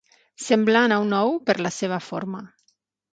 Semblant a un ou per la seva forma.